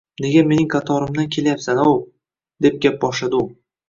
Nega mening qatorimdan kelyapsan, ov?! – deb gap boshladi u.